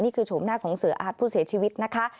โฉมหน้าของเสืออาร์ตผู้เสียชีวิตนะคะ